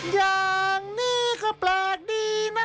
อย่างนี้ก็แปลกดีนะคะ